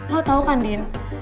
lo tau kan din